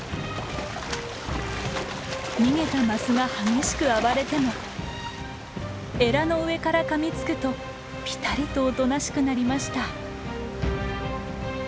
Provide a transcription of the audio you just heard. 逃げたマスが激しく暴れてもエラの上からかみつくとピタリとおとなしくなりました。